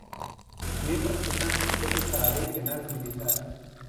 Sus miembros están sujetos a la ley penal militar.